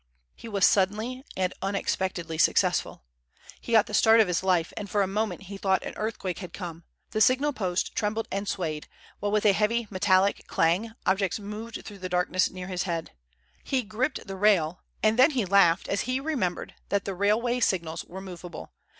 He was suddenly and unexpectedly successful. He got the start of his life, and for a moment he thought an earthquake had come. The signal post trembled and swayed while with a heavy metallic clang objects moved through the darkness near his head. He gripped the rail, and then he laughed as he remembered that railway signals were movable.